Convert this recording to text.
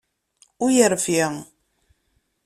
Ur yerfi.